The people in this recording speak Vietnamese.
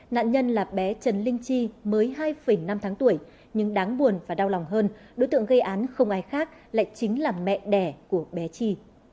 nạn nhân là bé trần linh chi mới hai năm tháng tuổi nhưng đáng buồn và đau lòng hơn đối tượng gây án không ai khác lại chính là mẹ đẻ của bé chi